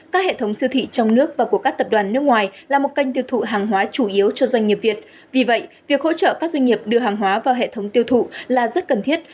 các hệ thống siêu thị trong nước và của các tập đoàn nước ngoài là một kênh tiêu thụ hàng hóa chủ yếu cho doanh nghiệp việt vì vậy việc hỗ trợ các doanh nghiệp đưa hàng hóa vào hệ thống tiêu thụ là rất cần thiết